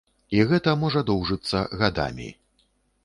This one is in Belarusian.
І гэта можа доўжыцца гадамі.